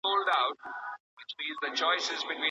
د لاس لیکنه د ارتباط یوه اغیزمنه وسیله ده.